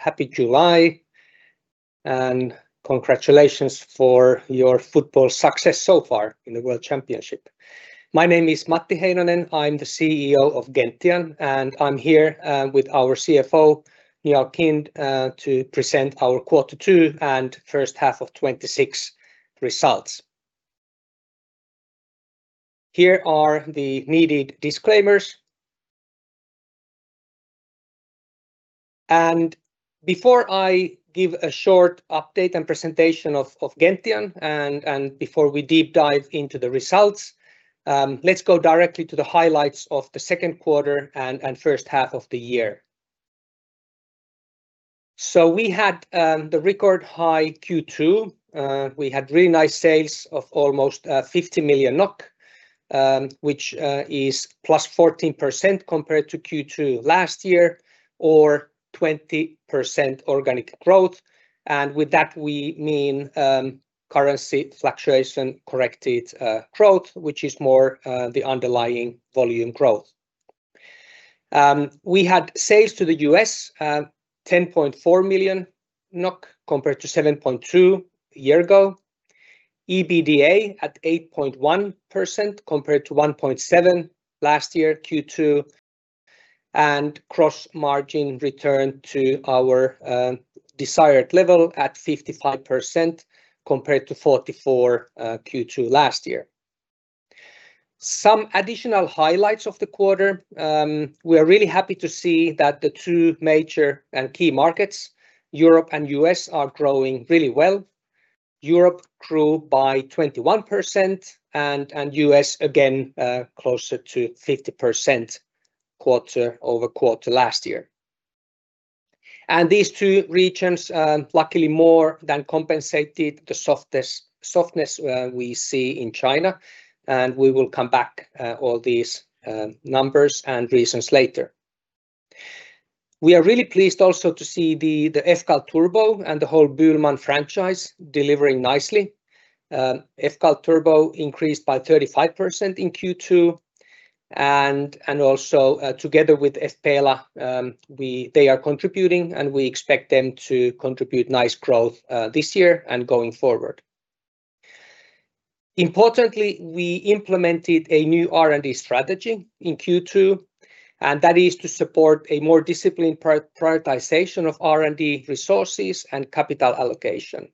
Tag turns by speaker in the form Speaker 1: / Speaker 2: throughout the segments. Speaker 1: Happy July, and congratulations for your football success so far in the World Championship. My name is Matti Heinonen. I am the CEO of Gentian, and I am here with our CFO, Njaal Kind, to present our quarter two and first half of 2026 results. Here are the needed disclaimers. Before I give a short update and presentation of Gentian and before we deep dive into the results, let us go directly to the highlights of the second quarter and first half of the year. We had the record high Q2. We had really nice sales of almost 50 million NOK, which is +14% compared to Q2 last year, or 20% organic growth. With that we mean currency fluctuation corrected growth, which is more the underlying volume growth. We had sales to the U.S., 10.4 million NOK compared to 7.2 million a year ago. EBITDA at 8.1% compared to 1.7% last year, Q2. Gross margin returned to our desired level at 55% compared to 44% Q2 last year. Some additional highlights of the quarter. We are really happy to see that the two major and key markets, Europe and U.S., are growing really well. Europe grew by 21% and U.S., again, closer to 50% quarter-over-quarter last year. These two regions, luckily more than compensated the softness we see in China, and we will come back all these numbers and reasons later. We are really pleased also to see the fCAL turbo and the whole BÜHLMANN franchise delivering nicely. fCAL turbo increased by 35% in Q2 and also together with fPELA, they are contributing, and we expect them to contribute nice growth this year and going forward. Importantly, we implemented a new R&D strategy in Q2. That is to support a more disciplined prioritization of R&D resources and capital allocation.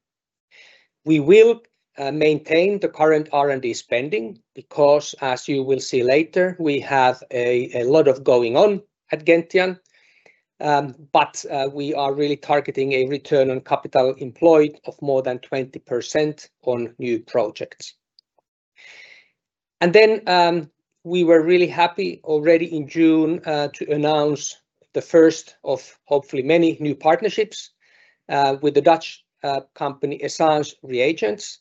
Speaker 1: We will maintain the current R&D spending because, as you will see later, we have a lot going on at Gentian. We are really targeting a return on capital employed of more than 20% on new projects. We were really happy already in June to announce the first of hopefully many new partnerships with the Dutch company Essange Reagents,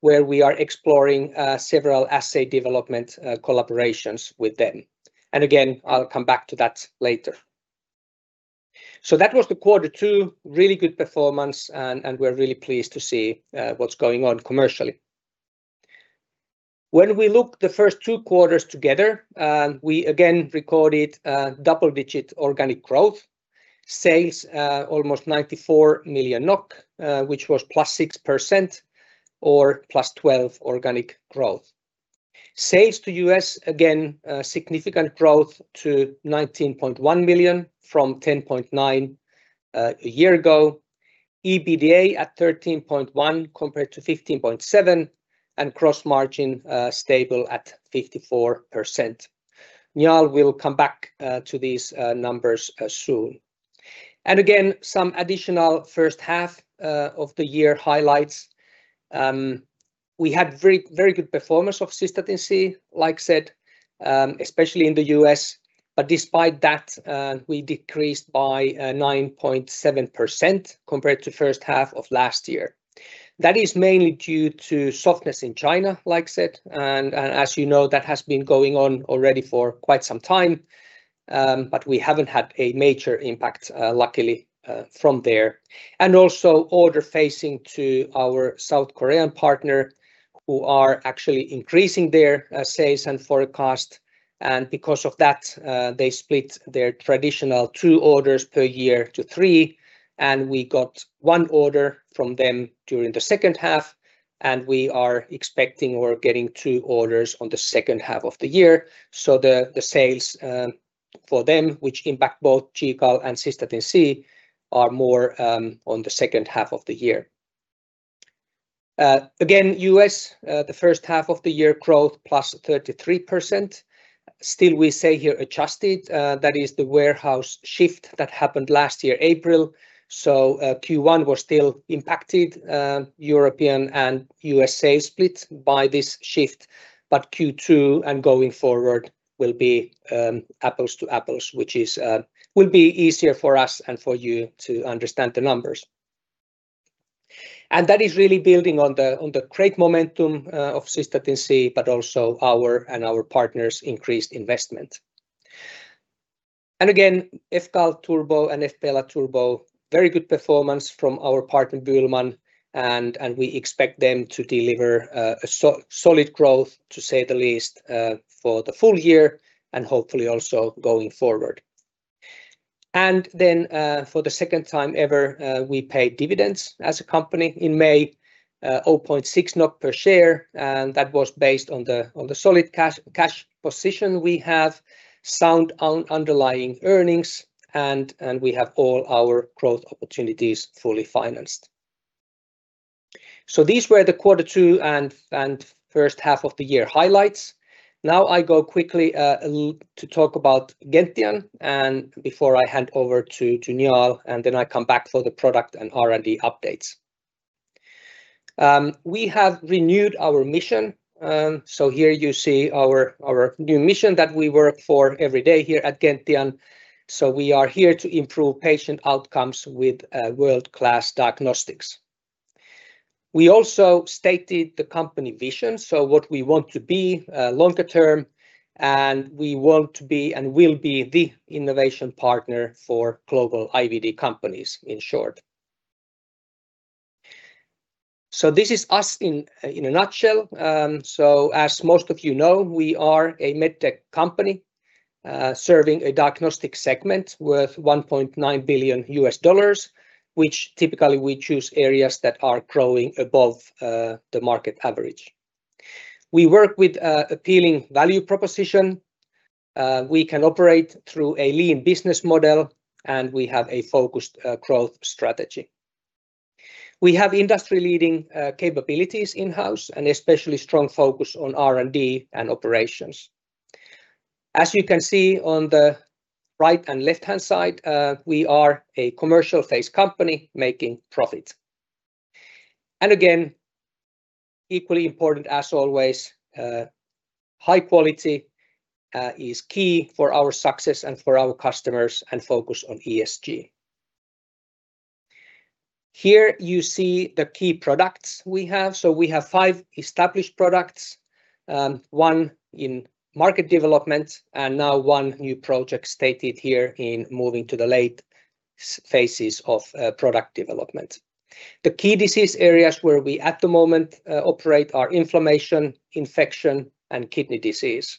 Speaker 1: where we are exploring several assay development collaborations with them. Again, I will come back to that later. That was quarter two. Really good performance and we are really pleased to see what is going on commercially. When we look at the first two quarters together, we again recorded double-digit organic growth. Sales almost 94 million NOK, which was +6% or +12% organic growth. Sales to U.S., again, significant growth to 19.1 million from 10.9 million a year ago. EBITDA at 13.1% compared to 15.7%. Gross margin stable at 54%. Njaal will come back to these numbers soon. Again, some additional first half of the year highlights. We had very good performance of Cystatin C, like said, especially in the U.S. Despite that, we decreased by 9.7% compared to the first half of last year. That is mainly due to softness in China, like I said. As you know, that has been going on already for quite some time. We have not had a major impact, luckily, from there. Also order facing to our South Korean partner who are actually increasing their sales and forecast and because of that, they split their traditional two orders per year to three, and we got one order from them during the second half. We are expecting or getting two orders on the second half of the year. The sales for them, which impact both GCAL and Cystatin C, are more on the second half of the year. Again, U.S., the first half of the year growth +33%. Still we say here adjusted. That is the warehouse shift that happened last year, April. Q1 was still impacted. European and U.S.A. split by this shift. Q2 and going forward will be apples to apples, which will be easier for us and for you to understand the numbers. That is really building on the great momentum of Cystatin C, but also our and our partners' increased investment. Again, fCAL turbo and fPELA turbo, very good performance from our partner, BÜHLMANN, and we expect them to deliver a solid growth to say the least for the full year and hopefully also going forward. Then for the second time ever, we paid dividends as a company in May, 0.6 per share, and that was based on the solid cash position we have, sound underlying earnings, and we have all our growth opportunities fully financed. These were the quarter two and first half of the year highlights. Now I go quickly to talk about Gentian and before I hand over to Njaal, and then I come back for the product and R&D updates. We have renewed our mission. Here you see our new mission that we work for every day here at Gentian. We are here to improve patient outcomes with world-class diagnostics. We also stated the company vision, what we want to be longer term, and we want to be and will be the innovation partner for global IVD companies, in short. This is us in a nutshell. As most of you know, we are a med tech company, serving a diagnostic segment worth $1.9 billion, which typically we choose areas that are growing above the market average. We work with appealing value proposition. We can operate through a lean business model and we have a focused growth strategy. We have industry-leading capabilities in-house and especially strong focus on R&D and operations. As you can see on the right and left-hand side, we are a commercial phase company making profit. Again, equally important as always, high quality is key for our success and for our customers and focus on ESG. Here you see the key products we have. We have five established products, one in market development, and now one new project stated here in moving to the late phases of product development. The key disease areas where we at the moment operate are inflammation, infection, and kidney disease.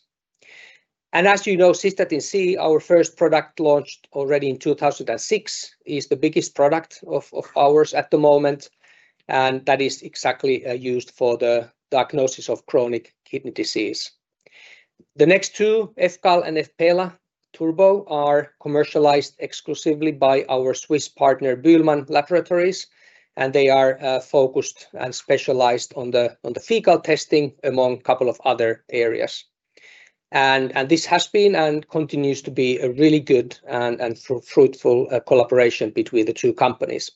Speaker 1: As you know, Cystatin C, our first product launched already in 2006, is the biggest product of ours at the moment, and that is exactly used for the diagnosis of chronic kidney disease. The next two, fCAL and fPELA turbo, are commercialized exclusively by our Swiss partner BÜHLMANN Laboratories. They are focused and specialized on the fecal testing among a couple of other areas. This has been and continues to be a really good and fruitful collaboration between the two companies.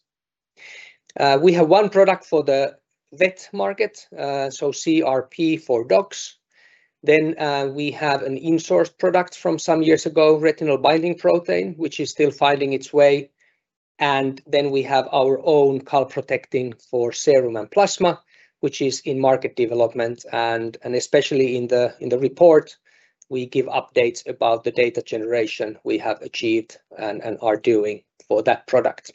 Speaker 1: We have one product for the vet market, so cCRP for dogs. We have an insourced product from some years ago, Retinol-Binding Protein, which is still finding its way. We have our own calprotectin for serum and plasma, which is in market development. Especially in the report, we give updates about the data generation we have achieved and are doing for that product.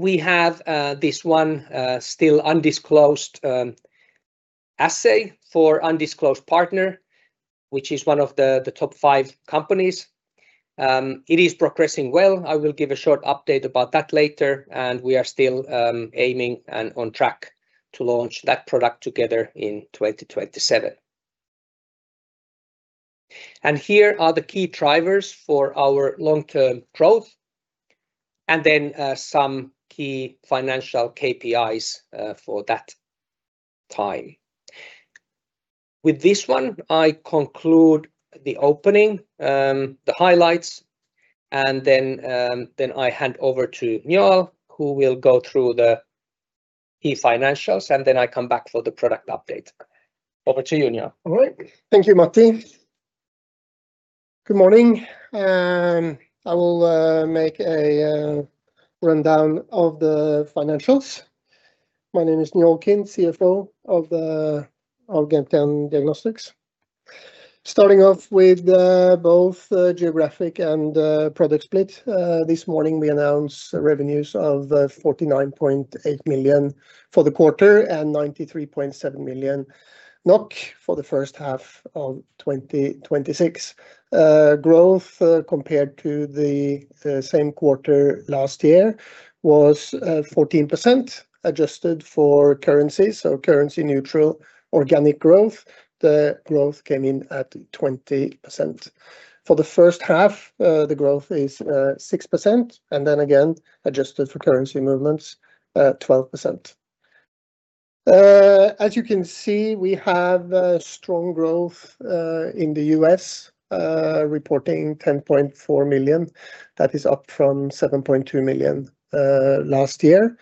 Speaker 1: We have this one still undisclosed assay for undisclosed partner, which is one of the top five companies. It is progressing well. I will give a short update about that later, and we are still aiming and on track to launch that product together in 2027. Here are the key drivers for our long-term growth. Some key financial KPIs for that time. With this one, I conclude the opening, the highlights, I hand over to Njaal, who will go through the key financials, I come back for the product update. Over to you, Njaal.
Speaker 2: All right. Thank you, Matti. Good morning. I will make a rundown of the financials. My name is Njaal Kind, CFO of Gentian Diagnostics. Starting off with both geographic and product split. This morning, we announced revenues of 49.8 million for the quarter and 93.7 million NOK for the first half of 2026. Growth compared to the same quarter last year was 14%, adjusted for currency. Currency neutral, organic growth. The growth came in at 20%. For the first half, the growth is 6%, adjusted for currency movements, 12%. As you can see, we have strong growth in the U.S., reporting 10.4 million. That is up from 7.2 million last year.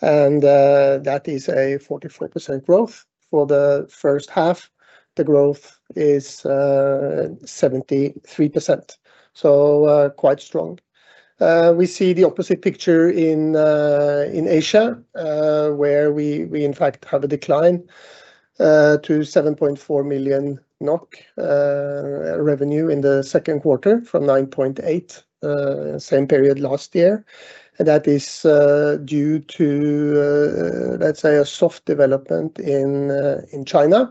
Speaker 2: That is a 44% growth. For the first half, the growth is 73%. Quite strong. We see the opposite picture in Asia, where we in fact have a decline to 7.4 million NOK revenue in the second quarter from 9.8 million same period last year. That is due to, let's say, a soft development in China.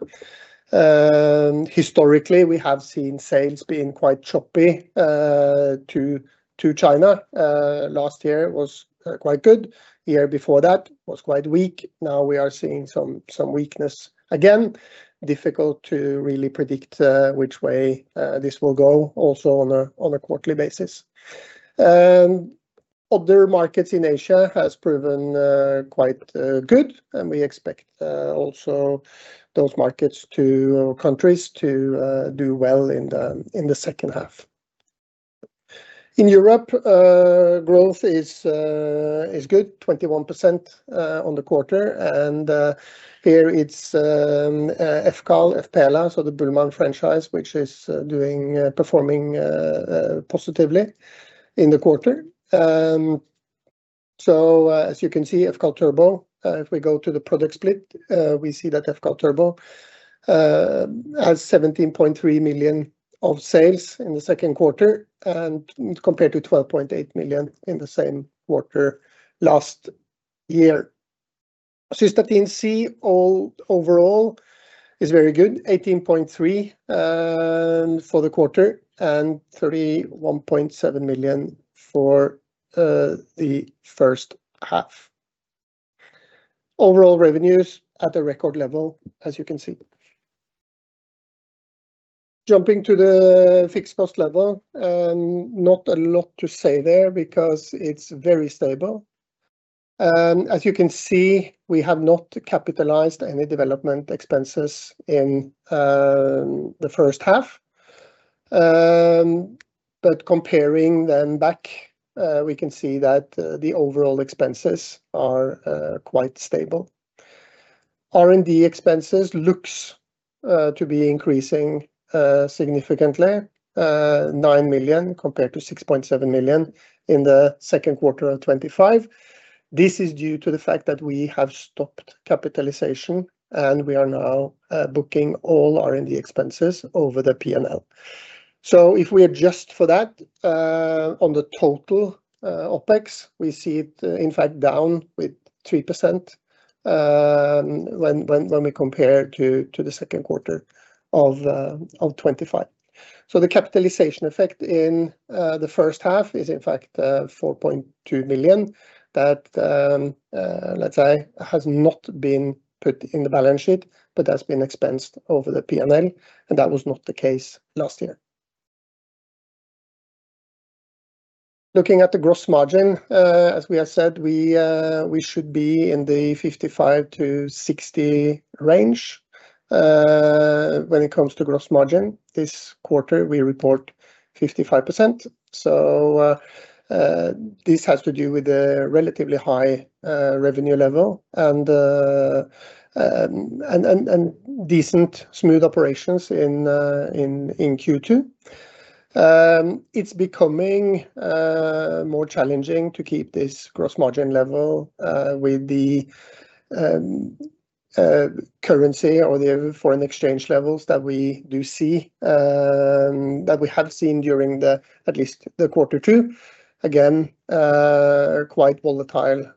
Speaker 2: Historically, we have seen sales being quite choppy to China. Last year was quite good. Year before that was quite weak. Now we are seeing some weakness again. Difficult to really predict which way this will go also on a quarterly basis. Other markets in Asia has proven quite good. We expect also those markets or countries to do well in the second half. In Europe, growth is good, 21% on the quarter. Here it's fCAL, fPELA, the BÜHLMANN franchise, which is performing positively in the quarter. As you can see, fCAL turbo, if we go to the product split, we see that fCAL turbo has 17.3 million of sales in the second quarter and compared to 12.8 million in the same quarter last year. Cystatin C overall is very good. 18.3 million for the quarter and 31.7 million for the first half. Overall revenues at a record level, as you can see. Jumping to the fixed cost level, not a lot to say there because it is very stable. As you can see, we have not capitalized any development expenses in the first half. But comparing then back, we can see that the overall expenses are quite stable. R&D expenses look to be increasing significantly. 9 million compared to 6.7 million in the second quarter of 2025. This is due to the fact that we have stopped capitalization and we are now booking all R&D expenses over the P&L. If we adjust for that on the total OpEx, we see it in fact down with 3% when we compare to the second quarter of 2025. The capitalization effect in the first half is in fact 4.2 million that, let's say, has not been put in the balance sheet, but has been expensed over the P&L, and that was not the case last year. Looking at the gross margin, as we have said, we should be in the 55%-60% range. When it comes to gross margin this quarter, we report 55%. This has to do with the relatively high revenue level and decent, smooth operations in Q2. It is becoming more challenging to keep this gross margin level with the currency or the foreign exchange levels that we do see, that we have seen during the at least the quarter two. Again, quite volatile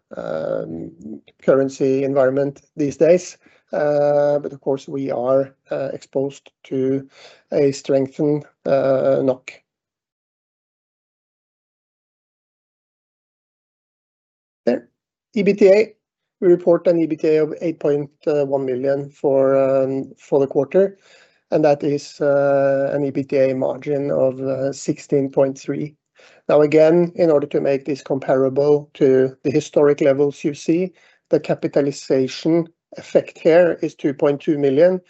Speaker 2: currency environment these days. But of course, we are exposed to a strengthened NOK. There. EBITDA, we report an EBITDA of 8.1 million for the quarter, and that is an EBITDA margin of 16.3%. Now, again, in order to make this comparable to the historic levels you see, the capitalization effect here is 2.2 million.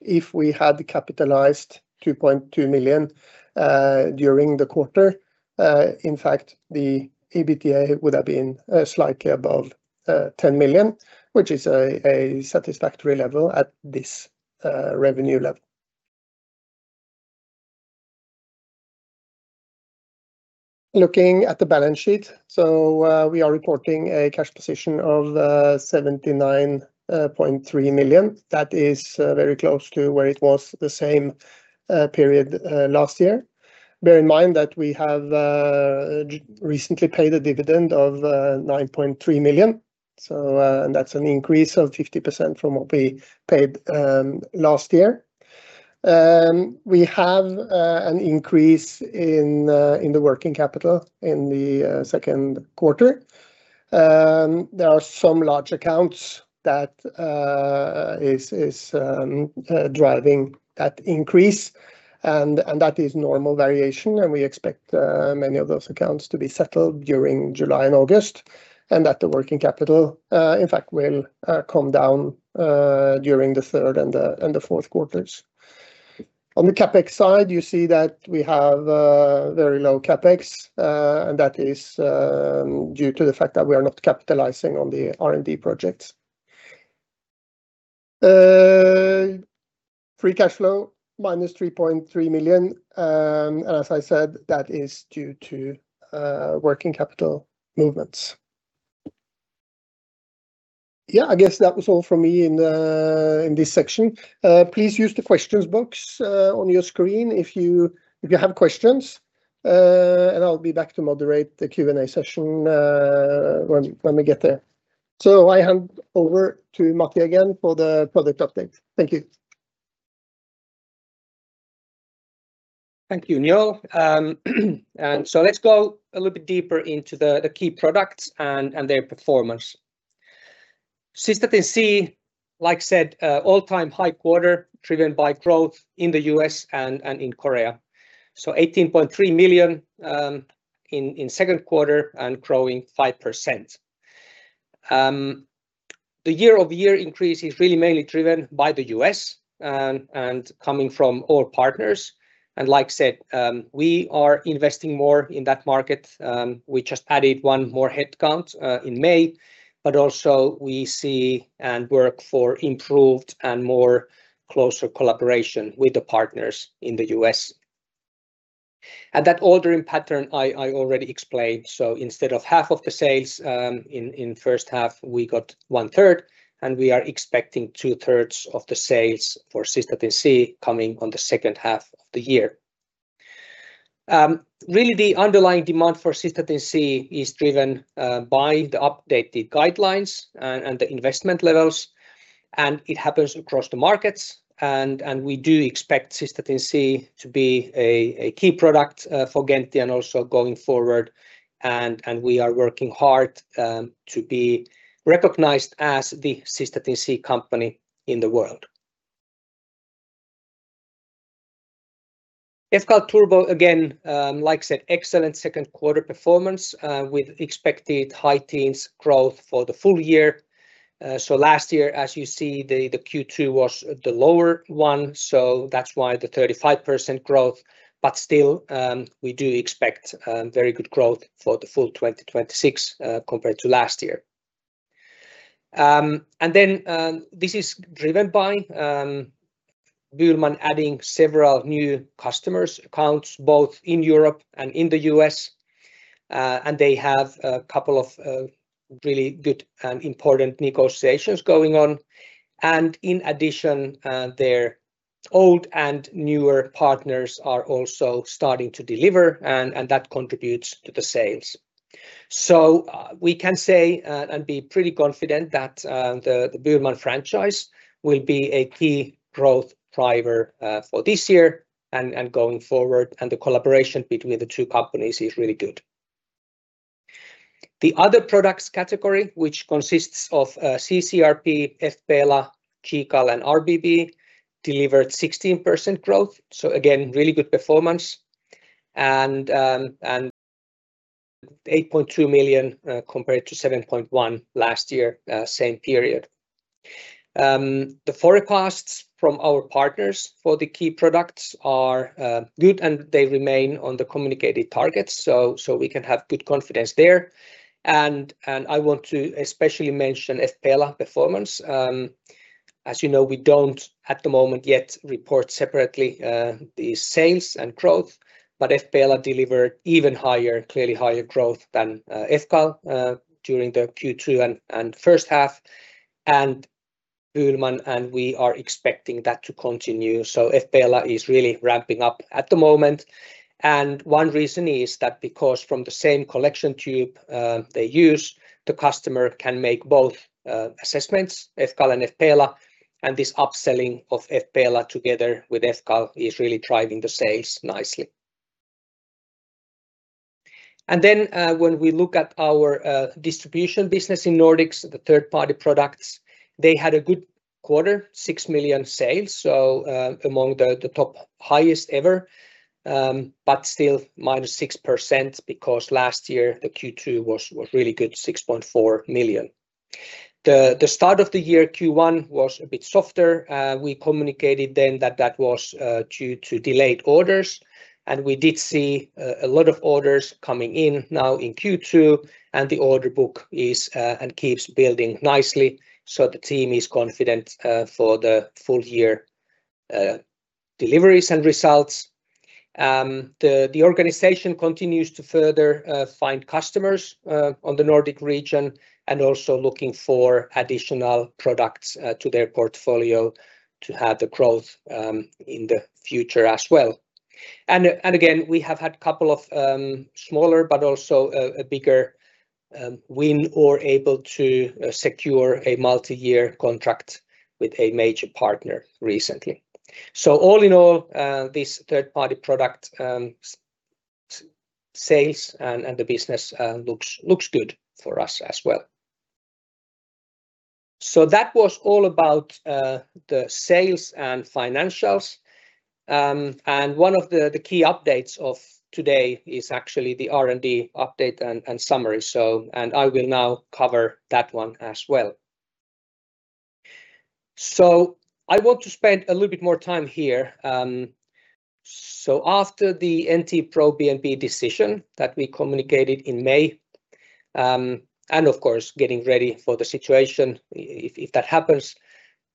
Speaker 2: If we had capitalized 2.2 million during the quarter, in fact, the EBITDA would have been slightly above 10 million, which is a satisfactory level at this revenue level. Looking at the balance sheet. We are reporting a cash position of 79.3 million. That is very close to where it was the same period last year. Bear in mind that we have recently paid a dividend of 9.3 million. That is an increase of 50% from what we paid last year. We have an increase in the working capital in the second quarter. There are some large accounts that is driving that increase and that is normal variation, and we expect many of those accounts to be settled during July and August and that the working capital, in fact, will come down during the third and the fourth quarters. On the CapEx side, you see that we have very low CapEx and that is due to the fact that we are not capitalizing on the R&D projects. Free cash flow -3.3 million. As I said, that is due to working capital movements. I guess that was all from me in this section. Please use the questions box on your screen if you have questions, and I'll be back to moderate the Q&A session when we get there. I hand over to Matti again for the product update. Thank you.
Speaker 1: Thank you, Njaal. Let's go a little bit deeper into the key products and their performance. Cystatin C, like I said, all-time high quarter driven by growth in the U.S. and in Korea. 18.3 million in second quarter and growing 5%. The year-over-year increase is really mainly driven by the U.S. and coming from all partners. Like I said, we are investing more in that market. We just added one more headcount in May, but also we see and work for improved and closer collaboration with the partners in the U.S. That ordering pattern I already explained, instead of half of the sales in first half, we got one third, and we are expecting 2/3 of the sales for Cystatin C coming on the second half of the year. The underlying demand for Cystatin C is driven by the updated guidelines and the investment levels, it happens across the markets and we do expect Cystatin C to be a key product for Gentian also going forward. We are working hard to be recognized as the Cystatin C company in the world. fCAL turbo, again, like I said, excellent second quarter performance with expected high teens growth for the full year. Last year, as you see, the Q2 was the lower one, that's why the 35% growth. Still, we do expect very good growth for the full 2026 compared to last year. This is driven by BÜHLMANN adding several new customers accounts both in Europe and in the U.S. They have a couple of really good and important negotiations going on. In addition, their old and newer partners are also starting to deliver, that contributes to the sales. We can say and be pretty confident that the BÜHLMANN franchise will be a key growth driver for this year and going forward, the collaboration between the two companies is really good. The other products category, which consists of cCRP, fPELA, GCAL and RBP, delivered 16% growth. Again, really good performance. 8.2 million compared to 7.1 million last year same period. The forecasts from our partners for the key products are good, they remain on the communicated targets, we can have good confidence there. I want to especially mention fPELA performance. As you know, we don't at the moment yet report separately the sales and growth, but fPELA delivered even higher, clearly higher growth than fCAL during the Q2 and first half. BÜHLMANN and we are expecting that to continue. fPELA is really ramping up at the moment. One reason is that because from the same collection tube they use, the customer can make both assessments, fCAL and fPELA. This upselling of fPELA together with fCAL is really driving the sales nicely. When we look at our distribution business in Nordics, the third-party products, they had a good quarter, 6 million sales. Among the top highest ever, but still -6% because last year the Q2 was really good, 6.4 million. The start of the year, Q1, was a bit softer. We communicated then that that was due to delayed orders, and we did see a lot of orders coming in now in Q2, and the order book is and keeps building nicely. The team is confident for the full-year deliveries and results. The organization continues to further find customers on the Nordic region and also looking for additional products to their portfolio to have the growth in the future as well. Again, we have had couple of smaller but also a bigger win or able to secure a multi-year contract with a major partner recently. All in all, this third-party product sales and the business looks good for us as well. That was all about the sales and financials. One of the key updates of today is actually the R&D update and summary. I will now cover that one as well. I want to spend a little bit more time here. After the NT-proBNP decision that we communicated in May, and of course, getting ready for the situation if that happens,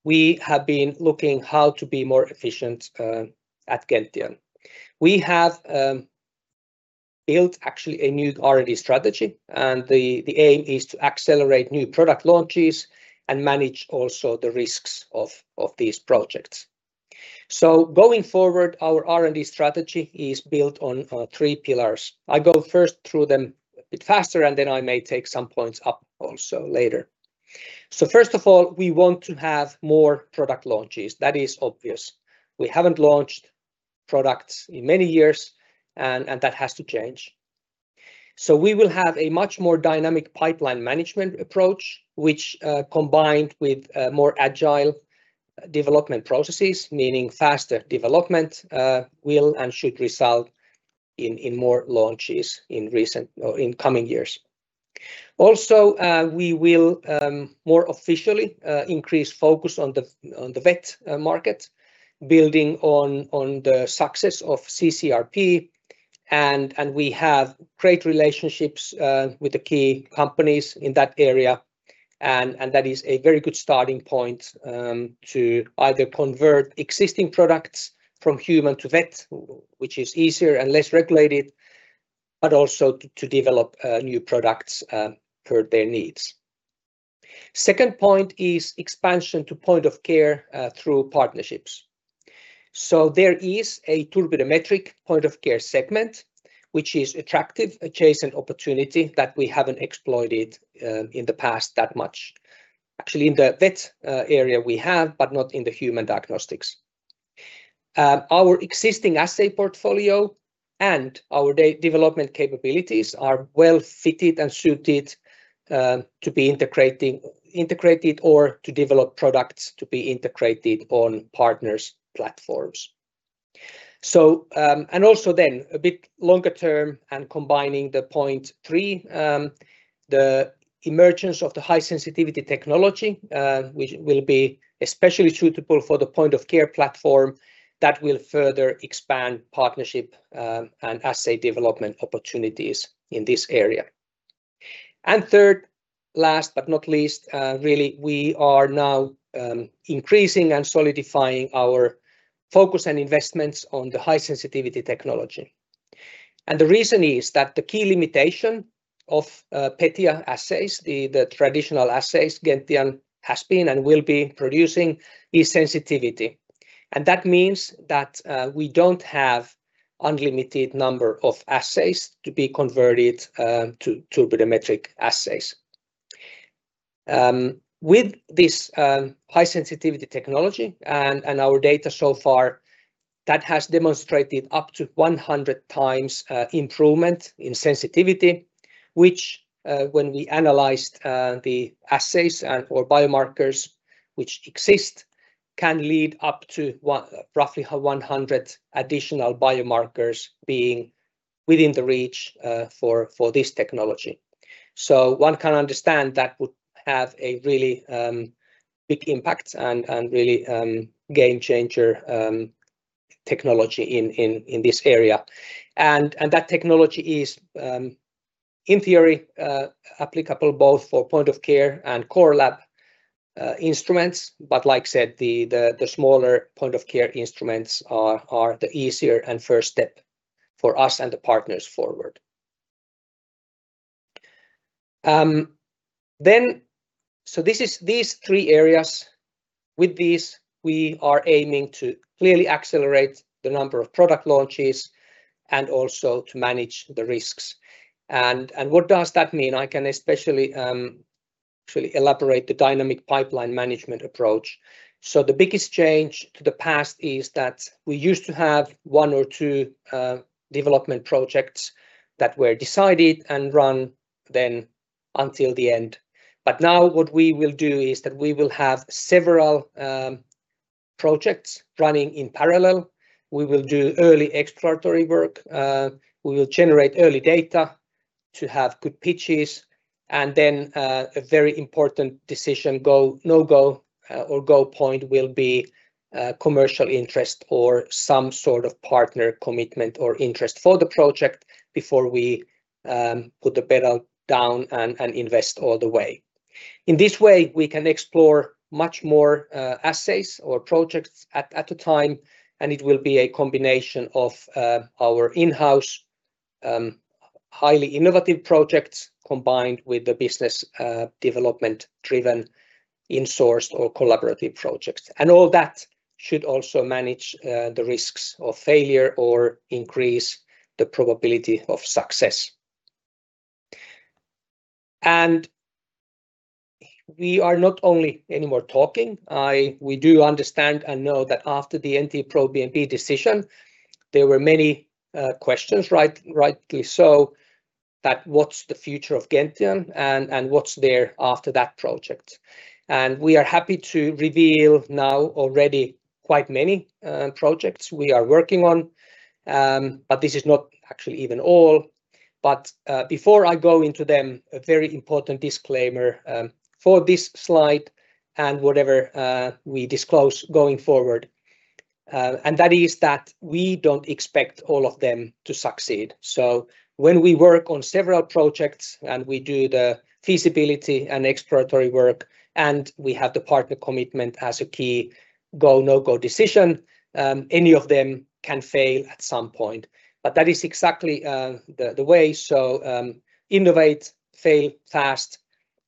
Speaker 1: we have been looking how to be more efficient at Gentian. We have built actually a new R&D strategy, and the aim is to accelerate new product launches and manage also the risks of these projects. Going forward, our R&D strategy is built on three pillars. I go first through them a bit faster, I may take some points up also later. First of all, we want to have more product launches. That is obvious. We haven't launched products in many years, and that has to change. We will have a much more dynamic pipeline management approach, which, combined with more agile development processes, meaning faster development, will and should result in more launches in coming years. Also, we will more officially increase focus on the vet market, building on the success of cCRP. We have great relationships with the key companies in that area, and that is a very good starting point to either convert existing products from human to vet, which is easier and less regulated, but also to develop new products per their needs. Second point is expansion to point of care through partnerships. There is a turbidimetric point-of-care segment, which is attractive, adjacent opportunity that we haven't exploited in the past that much. Actually, in the vet area we have, but not in the human diagnostics. Our existing assay portfolio and our development capabilities are well-fitted and suited to be integrated or to develop products to be integrated on partners' platforms. Also then, a bit longer term and combining the point three, the emergence of the high-sensitivity technology, which will be especially suitable for the point of care platform that will further expand partnership, and assay development opportunities in this area. Third, last but not least, really, we are now increasing and solidifying our focus and investments on the high-sensitivity technology. The reason is that the key limitation of PETIA assays, the traditional assays Gentian has been and will be producing, is sensitivity. That means that we don't have unlimited number of assays to be converted to turbidimetric assays. With this high-sensitivity technology and our data so far, that has demonstrated up to 100 times improvement in sensitivity. Which when we analyzed the assays or biomarkers which exist, can lead up to roughly 100 additional biomarkers being within the reach for this technology. One can understand that would have a really big impact and really game-changer technology in this area. That technology is, in theory, applicable both for point of care and core lab instruments. Like I said, the smaller point of care instruments are the easier and first step for us and the partners forward. This is these three areas. With these, we are aiming to clearly accelerate the number of product launches and also to manage the risks. What does that mean? I can especially actually elaborate the dynamic pipeline management approach. The biggest change to the past is that we used to have one or two development projects that were decided and run then until the end. Now what we will do is that we will have several projects running in parallel. We will do early exploratory work, we will generate early data to have good pitches, then a very important decision, go, no go or go point will be commercial interest or some sort of partner commitment or interest for the project before we put the pedal down and invest all the way. In this way, we can explore much more assays or projects at a time, it will be a combination of our in-house, highly innovative projects, combined with the business development-driven insourced or collaborative projects. All that should also manage the risks of failure or increase the probability of success. We are not only anymore talking. We do understand and know that after the NT-proBNP decision, there were many questions, rightly so, that what's the future of Gentian, and what's there after that project? We are happy to reveal now already quite many projects we are working on. This is not actually even all But before I go into them, a very important disclaimer for this slide and whatever we disclose going forward, that is that we don't expect all of them to succeed. When we work on several projects and we do the feasibility and exploratory work, and we have the partner commitment as a key go, no-go decision, any of them can fail at some point. That is exactly the way. Innovate, fail fast,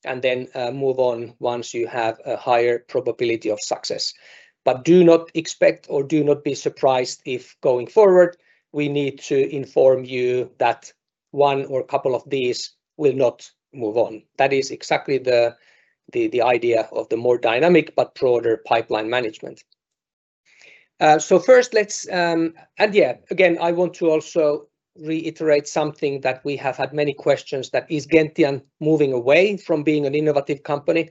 Speaker 1: and then move on once you have a higher probability of success. Do not expect or do not be surprised if, going forward, we need to inform you that one or a couple of these will not move on. That is exactly the idea of the more dynamic but broader pipeline management. I want to also reiterate something, that we have had many questions, that is Gentian moving away from being an innovative company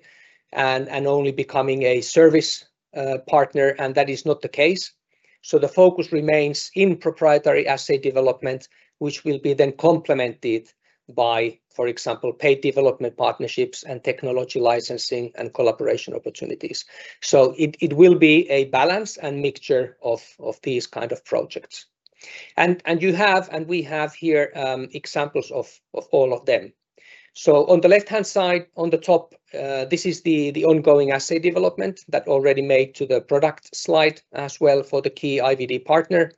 Speaker 1: and only becoming a service partner, and that is not the case. The focus remains in proprietary assay development, which will be then complemented by, for example, paid development partnerships and technology licensing and collaboration opportunities. It will be a balance and mixture of these kind of projects. We have here examples of all of them. On the left-hand side, on the top, this is the ongoing assay development that already made to the product slide as well for the key IVD partner.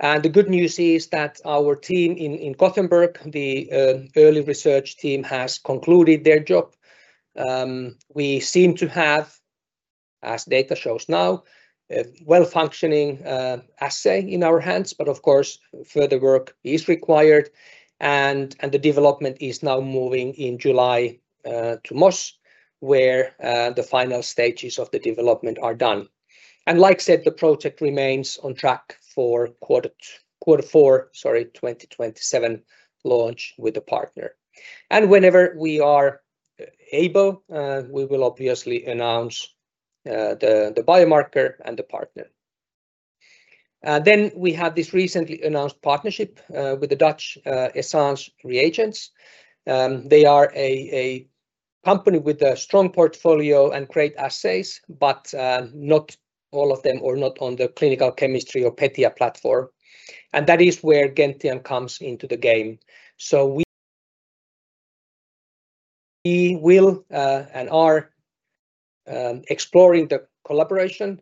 Speaker 1: The good news is that our team in Gothenburg, the early research team, has concluded their job. We seem to have, as data shows now, a well-functioning assay in our hands. Of course, further work is required, and the development is now moving in July to Moss, where the final stages of the development are done. Like I said, the project remains on track for quarter four 2027 launch with a partner. Whenever we are able, we will obviously announce the biomarker and the partner. We have this recently announced partnership with the Dutch Essange Reagents. They are a company with a strong portfolio and great assays, but not all of them or not on the clinical chemistry or PETIA platform. That is where Gentian comes into the game. We will, and are, exploring the collaboration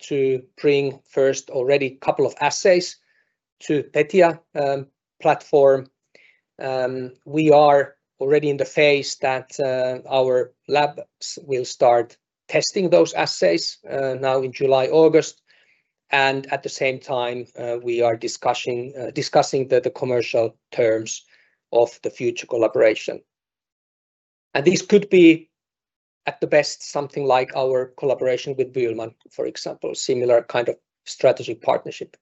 Speaker 1: to bring first already couple of assays to PETIA platform. We are already in the phase that our labs will start testing those assays now in July, August. At the same time, we are discussing the commercial terms of the future collaboration. This could be, at the best, something like our collaboration with BÜHLMANN, for example, similar kind of strategy partnership.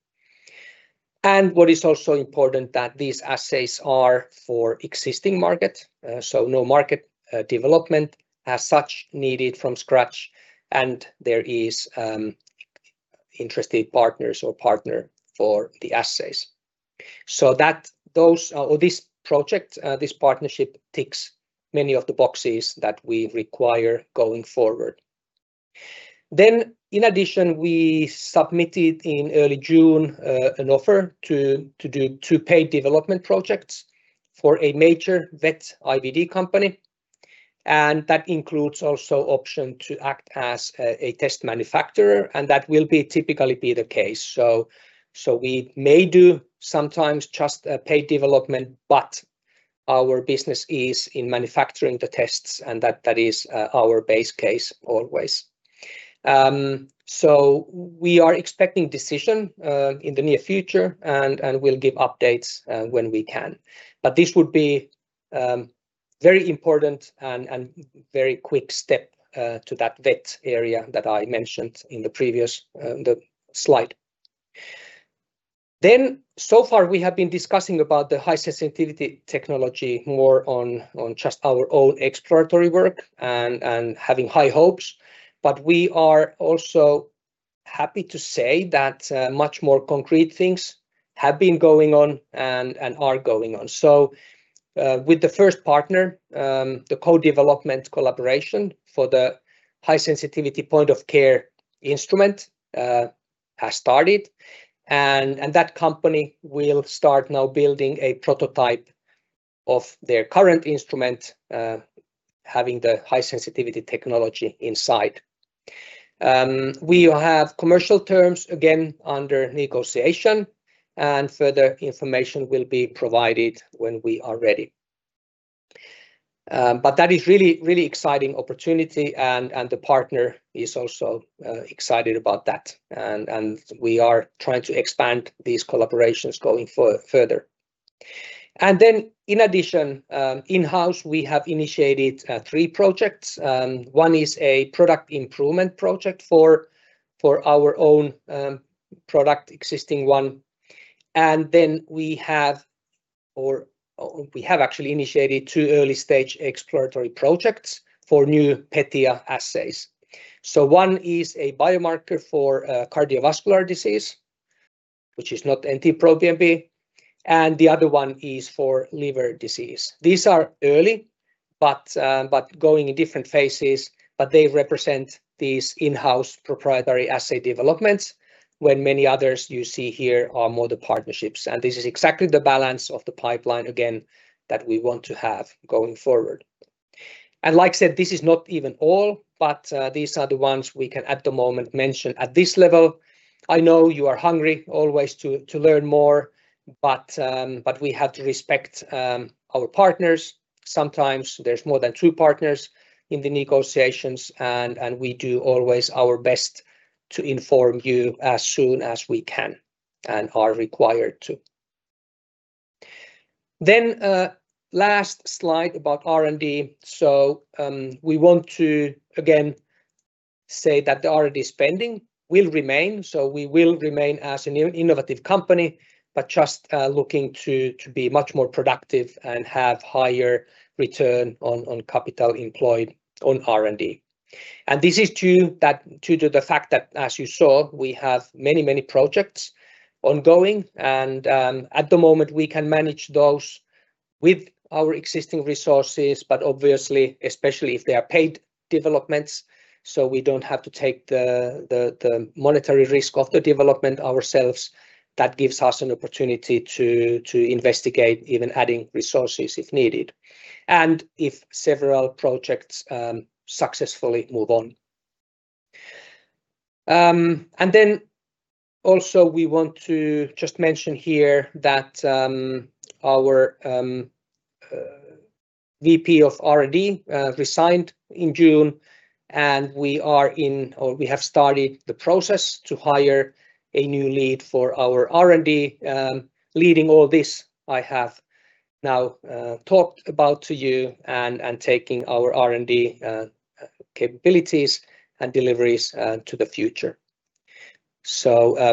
Speaker 1: What is also important that these assays are for existing market, so no market development as such needed from scratch, and there is interested partners or partner for the assays. This project, this partnership ticks many of the boxes that we require going forward. In addition, we submitted in early June an offer to do two paid development projects for a major vet IVD company, that includes also option to act as a test manufacturer, and that will be typically be the case. We may do sometimes just a paid development, but our business is in manufacturing the tests, and that is our base case always. We are expecting decision in the near future, and we'll give updates when we can. This would be very important and very quick step to that vet area that I mentioned in the previous slide. So far we have been discussing about the high-sensitivity technology more on just our own exploratory work and having high hopes. We are also happy to say that much more concrete things have been going on and are going on. With the first partner, the co-development collaboration for the high-sensitivity point of care instrument has started, and that company will start now building a prototype of their current instrument, having the high-sensitivity technology inside. We have commercial terms again under negotiation, and further information will be provided when we are ready. That is really, really exciting opportunity, and the partner is also excited about that. We are trying to expand these collaborations going further. In addition, in-house, we have initiated three projects. One is a product improvement project for our own product, existing one. We have actually initiated two early-stage exploratory projects for new PETIA assays. One is a biomarker for cardiovascular disease, which is not NT-proBNP, and the other one is for liver disease. These are early, but going in different phases, but they represent these in-house proprietary assay developments, when many others you see here are more the partnerships. This is exactly the balance of the pipeline, again, that we want to have going forward. Like I said, this is not even all, but these are the ones we can at the moment mention at this level. I know you are hungry always to learn more, but we have to respect our partners. Sometimes there's more than two partners in the negotiations, and we do always our best to inform you as soon as we can and are required to. Then, last slide about R&D. We want to, again, say that the R&D spending will remain, we will remain as an innovative company, but just looking to be much more productive and have higher return on capital employed on R&D. This is due to the fact that, as you saw, we have many projects ongoing and, at the moment, we can manage those with our existing resources. Obviously, especially if they are paid developments, we don't have to take the monetary risk of the development ourselves. That gives us an opportunity to investigate even adding resources if needed and if several projects successfully move on. We want to just mention here that our VP of R&D resigned in June, and we have started the process to hire a new lead for our R&D, leading all this I have now talked about to you and taking our R&D capabilities and deliveries to the future.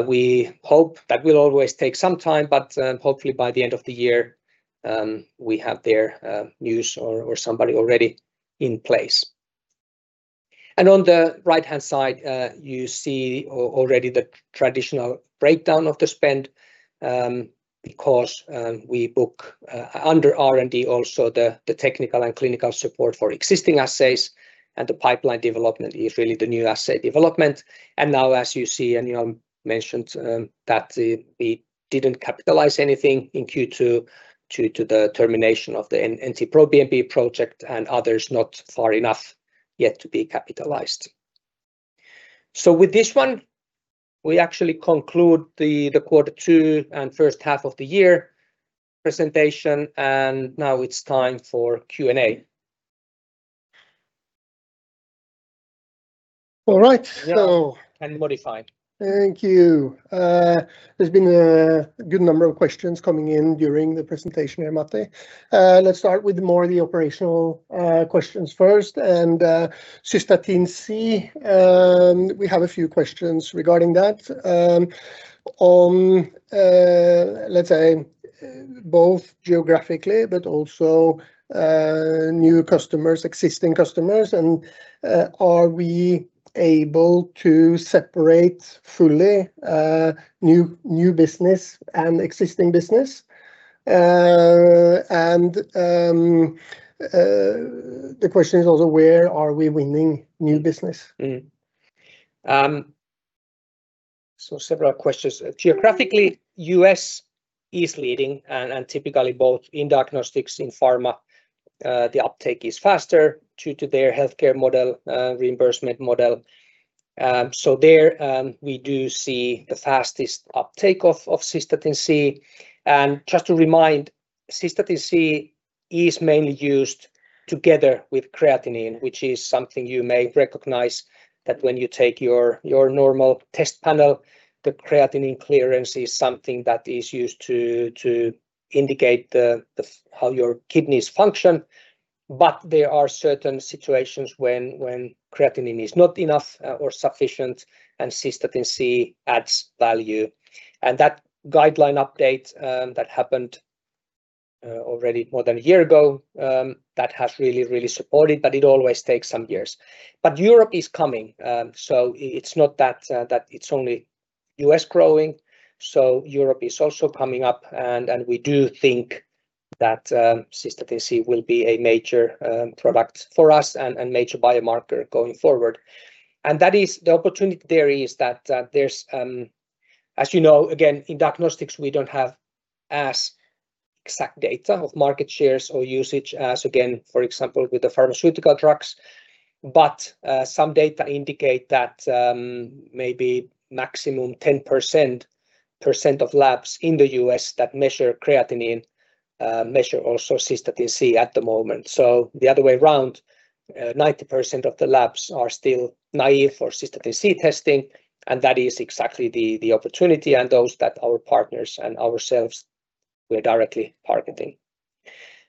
Speaker 1: We hope that will always take some time, but hopefully by the end of the year, we have their news or somebody already in place. On the right-hand side, you see already the traditional breakdown of the spend, because we book under R&D also the technical and clinical support for existing assays, and the pipeline development is really the new assay development. Now, as you see, and you mentioned that we didn't capitalize anything in Q2 due to the termination of the NT-proBNP project and others not far enough yet to be capitalized. With this one, we actually conclude the quarter two and first half of the year presentation, and now it's time for Q&A-
Speaker 2: All right.
Speaker 1: ...and Modify.
Speaker 2: Thank you. There's been a good number of questions coming in during the presentation here, Matti. Let's start with more of the operational questions first. Cystatin C, we have a few questions regarding that. On, let's say, both geographically but also new customers, existing customers, are we able to separate fully new business and existing business? The question is also where are we winning new business?
Speaker 1: Several questions. Geographically, U.S. is leading, typically both in diagnostics, in pharma, the uptake is faster due to their healthcare model, reimbursement model. There we do see the fastest uptake of Cystatin C. Just to remind, Cystatin C is mainly used together with creatinine, which is something you may recognize that when you take your normal test panel, the creatinine clearance is something that is used to indicate how your kidneys function. There are certain situations when creatinine is not enough or sufficient, and Cystatin C adds value. That guideline update that happened already more than a year ago, that has really supported, but it always takes some years. Europe is coming, so it's not that it's only U.S. growing. Europe is also coming up, and we do think that Cystatin C will be a major product for us and major biomarker going forward. The opportunity there is that, as you know, again, in diagnostics, we don't have as exact data of market shares or usage as, again, for example, with the pharmaceutical drugs. Some data indicate that maybe maximum 10% of labs in the U.S. that measure creatinine measure also Cystatin C at the moment. The other way around, 90% of the labs are still naive for Cystatin C testing, and that is exactly the opportunity and those that our partners and ourselves we're directly targeting.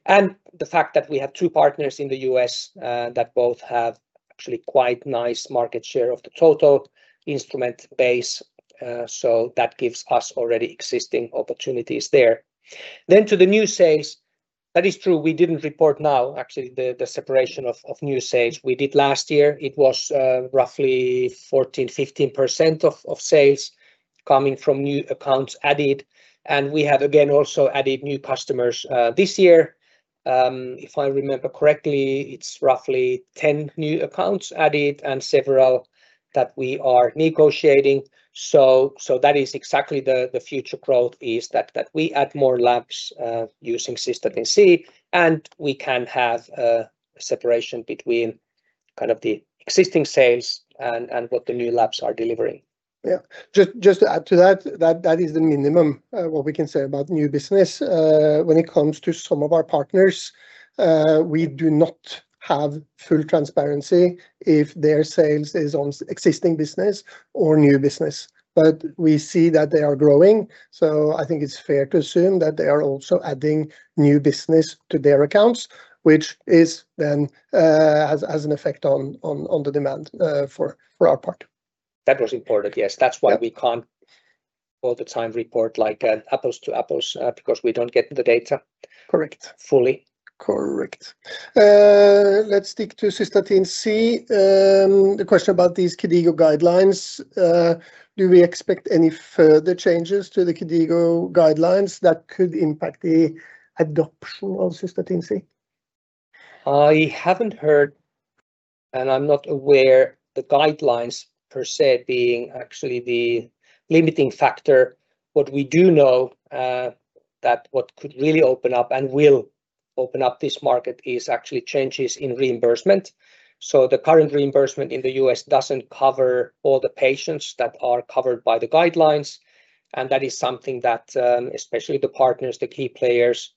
Speaker 1: The fact that we have two partners in the U.S. that both have actually quite nice market share of the total instrument base, so that gives us already existing opportunities there. To the new sales, that is true. We didn't report now, actually, the separation of new sales. We did last year. It was roughly 14%-15% of sales coming from new accounts added. We have again also added new customers this year. If I remember correctly, it's roughly 10 new accounts added and several that we are negotiating. That is exactly the future growth is that we add more labs using Cystatin C and we can have a separation between the existing sales and what the new labs are delivering.
Speaker 2: Just to add to that is the minimum what we can say about new business. When it comes to some of our partners, we do not have full transparency if their sales is on existing business or new business. We see that they are growing, so I think it's fair to assume that they are also adding new business to their accounts, which then has an effect on the demand for our part.
Speaker 1: That was important, yes. That's why we can't all the time report like apples to apples, because we don't get the data-
Speaker 2: Correct.
Speaker 1: ...fully.
Speaker 2: Correct. Let's stick to Cystatin C. The question about these KDIGO guidelines, do we expect any further changes to the KDIGO guidelines that could impact the adoption of Cystatin C?
Speaker 1: I haven't heard, and I'm not aware the guidelines per se being actually the limiting factor. What we do know that what could really open up and will open up this market is actually changes in reimbursement. The current reimbursement in the U.S. doesn't cover all the patients that are covered by the guidelines, and that is something that, especially the partners, the key players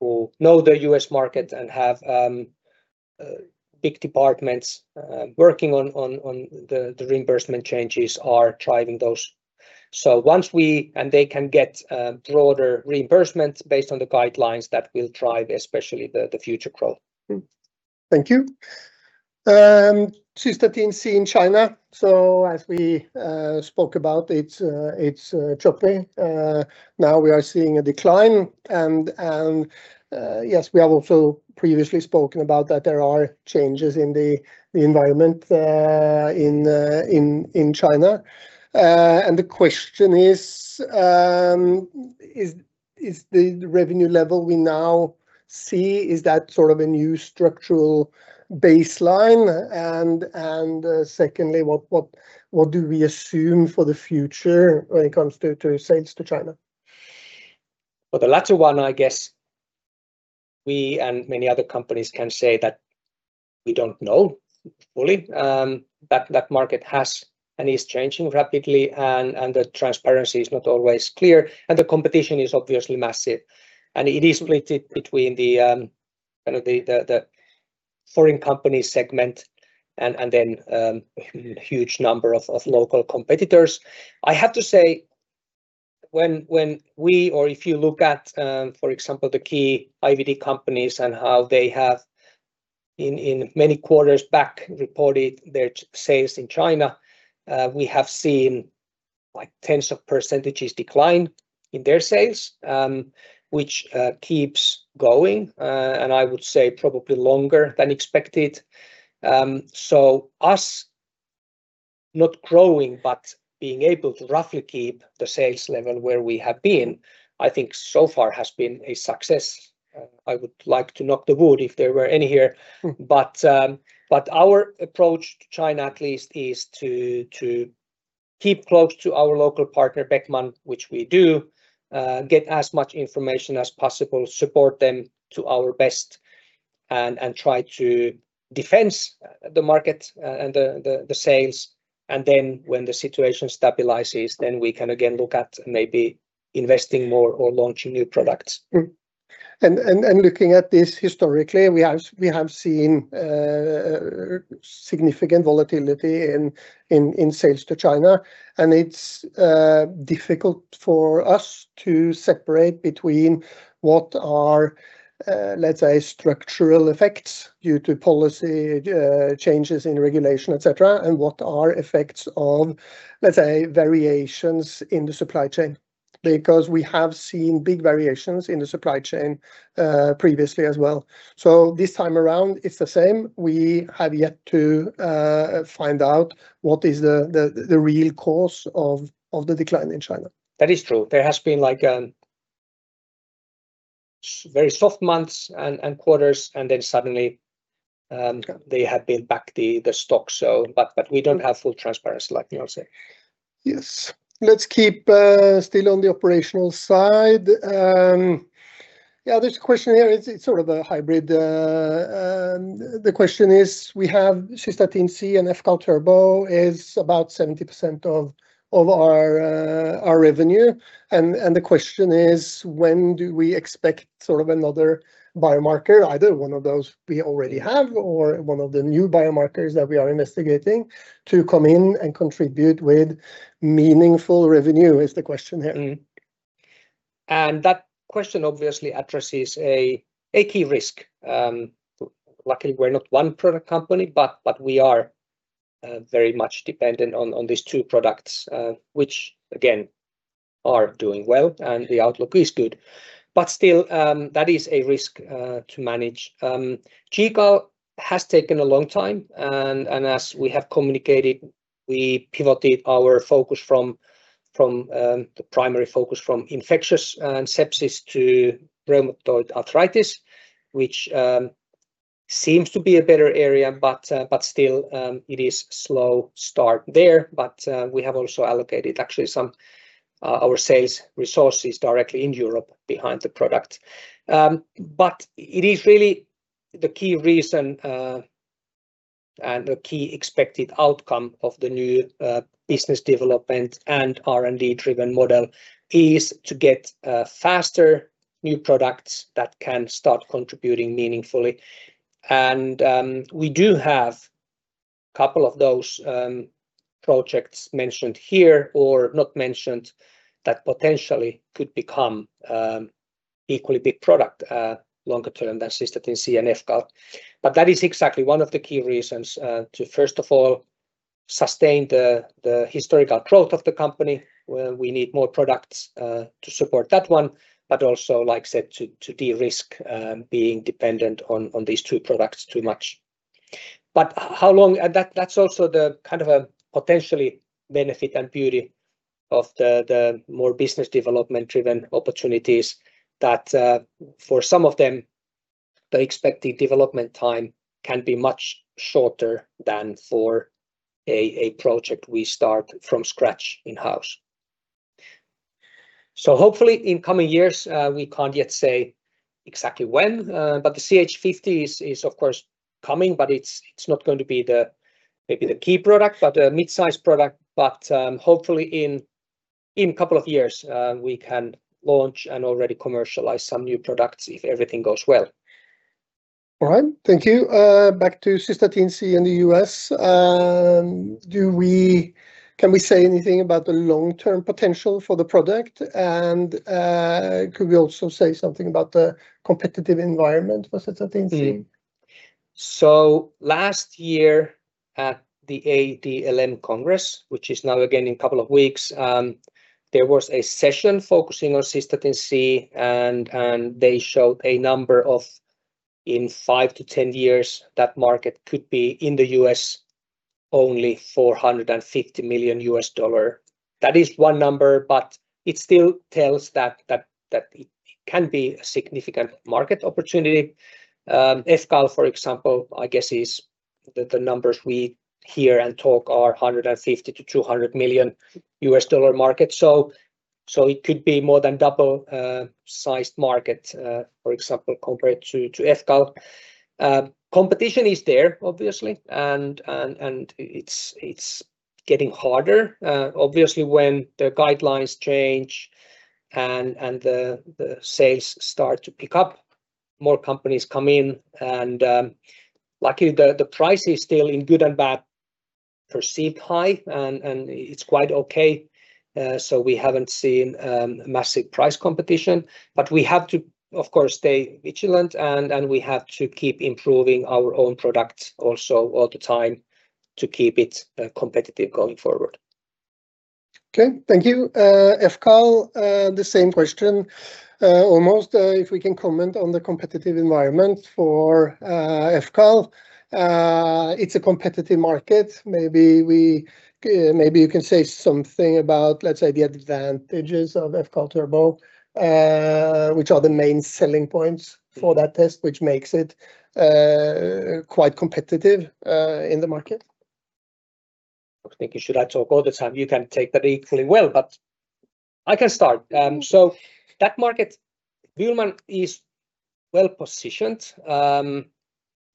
Speaker 1: who know the U.S. market and have big departments working on the reimbursement changes are driving those. Once we and they can get broader reimbursements based on the guidelines, that will drive especially the future growth.
Speaker 2: Thank you. Cystatin C in China, as we spoke about, it's dropping. Now we are seeing a decline and, yes, we have also previously spoken about that there are changes in the environment in China. The question is: Is the revenue level we now see, is that a new structural baseline? Secondly, what do we assume for the future when it comes to sales to China?
Speaker 1: For the latter one, I guess we and many other companies can say that we don't know fully. That that market has and is changing rapidly and the transparency is not always clear and the competition is obviously massive. It is split between the foreign company segment and then a huge number of local competitors. I have to say, when we or if you look at, for example, the key IVD companies and how they have, in many quarters back, reported their sales in China, we have seen like tens of percentages decline in their sales, which keeps going, and I would say probably longer than expected. Us not growing but being able to roughly keep the sales level where we have been, I think so far has been a success. I would like to knock the wood if there were any here. Our approach to China at least is to keep close to our local partner, Beckman, which we do, get as much information as possible, support them to our best, and try to defend the market and the sales. When the situation stabilizes, we can again look at maybe investing more or launching new products.
Speaker 2: Looking at this historically, we have seen significant volatility in sales to China, and it's difficult for us to separate between what are, let's say, structural effects due to policy changes in regulation, etc, and what are effects of, let's say, variations in the supply chain. We have seen big variations in the supply chain previously as well. This time around it's the same. We have yet to find out what is the real cause of the decline in China.
Speaker 1: That is true. There has been very soft months and quarters and then suddenly-
Speaker 2: Okay.
Speaker 1: ...they have built back the stock. We don't have full transparency, like you say.
Speaker 2: Yes. Let's keep still on the operational side. There's a question here, it's sort of a hybrid. The question is "We have Cystatin C and fCAL turbo is about 70% of our revenue." The question is "When do we expect another biomarker, either one of those we already have or one of the new biomarkers that we are investigating to come in and contribute with meaningful revenue?" is the question here.
Speaker 1: That question obviously addresses a key risk. Luckily, we're not one-product company, but we are a very much dependent on these two products which again are doing well and the outlook is good. Still that is a risk to manage. GCAL has taken a long time and as we have communicated, we pivoted our primary focus from infectious and sepsis to rheumatoid arthritis, which seems to be a better area but still it is slow start there. We have also allocated actually some our sales resources directly in Europe behind the product. It is really the key reason, and the key expected outcome of the new business development and R&D driven model is to get faster new products that can start contributing meaningfully. We do have couple of those projects mentioned here or not mentioned that potentially could become equally big product longer term than Cystatin C and fCAL. That is exactly one of the key reasons to first of all sustain the historical growth of the company where we need more products to support that one. Also like said to de-risk being dependent on these two products too much. How long? That's also the kind of a potentially benefit and beauty of the more business development driven opportunities that for some of them, the expected development time can be much shorter than for a project we start from scratch in-house. Hopefully in coming years, we can't yet say exactly when but the CH50 is of course coming, but it's not going to be maybe the key product, but a mid-size product. Hopefully in couple of years, we can launch and already commercialize some new products if everything goes well.
Speaker 2: All right. Thank you. Back to Cystatin C in the U.S. Can we say anything about the long-term potential for the product? Could we also say something about the competitive environment for Cystatin C?
Speaker 1: Last year at the ADLM Congress, which is now again in a couple of weeks, there was a session focusing on Cystatin C and they showed a number of in 5-10 years, that market could be in the U.S. only $450 million. That is one number, but it still tells that it can be a significant market opportunity. fCAL, for example, I guess is the numbers we hear and talk are $150 million-$200 million market. It could be more than double sized market for example compared to fCAL. Competition is there obviously and it's getting harder. Obviously when the guidelines change and the sales start to pick up, more companies come in and luckily the price is still in good and bad perceived high and it's quite okay. We haven't seen massive price competition. We have to of course stay vigilant and we have to keep improving our own products also all the time to keep it competitive going forward.
Speaker 2: Okay, thank you. fCAL the same question almost. If we can comment on the competitive environment for fCAL. It's a competitive market. Maybe you can say something about, let's say the advantages of fCAL turbo which are the main selling points for that test, which makes it quite competitive in the market.
Speaker 1: Okay. Thank you. Should I talk all the time? You can take that equally well, but I can start. That market, BÜHLMANN is well-positioned.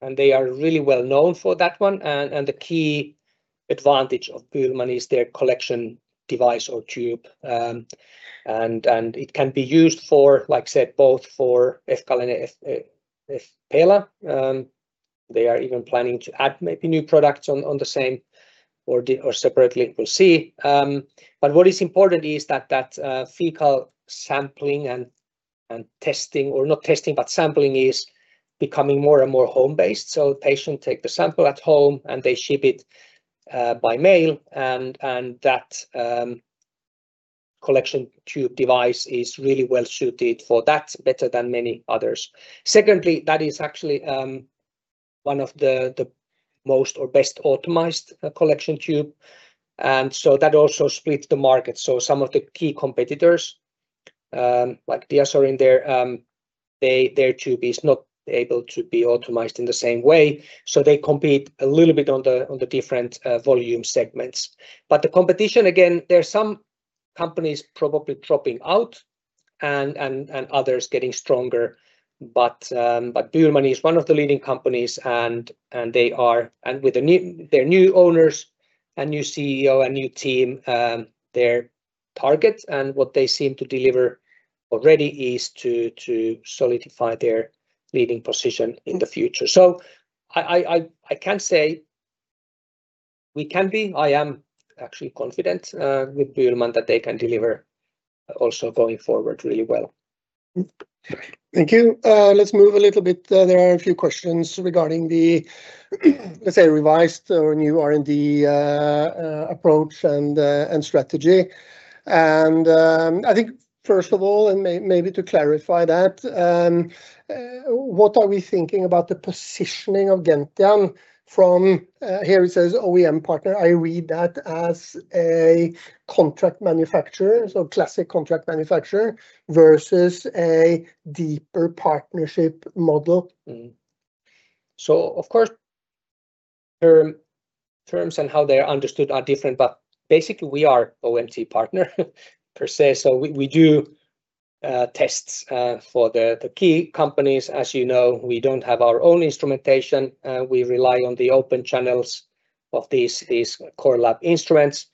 Speaker 1: They are really well known for that one. The key advantage of BÜHLMANN is their collection device or tube. It can be used for, like I said, both for fCAL and fPELA. They are even planning to add maybe new products on the same or separately. We'll see. What is important is that fecal sampling and testing, or not testing, but sampling is becoming more and more home-based. Patient take the sample at home and they ship it by mail, and that collection tube device is really well suited for that, better than many others. Secondly, that is actually one of the most or best optimized collection tube. That also splits the market. Some of the key competitors like DiaSorin their tube is not able to be optimized in the same way. They compete a little bit on the different volume segments. The competition, again, there's some companies probably dropping out and others getting stronger. BÜHLMANN is one of the leading companies and with their new owners and new CEO and new team their targets and what they seem to deliver already is to solidify their leading position in the future. I can say we can be, I am actually confident with BÜHLMANN that they can deliver also going forward really well.
Speaker 2: Thank you. Let's move a little bit. There are a few questions regarding the, let's say, revised or new R&D approach and strategy. I think first of all, and maybe to clarify that, what are we thinking about the positioning of Gentian from, here it says OEM partner. I read that as a contract manufacturer, classic contract manufacturer versus a deeper partnership model.
Speaker 1: Of course, terms and how they're understood are different, but basically we are OEM partner per se. We do tests for the key companies. As you know, we don't have our own instrumentation. We rely on the open channels of these core lab instruments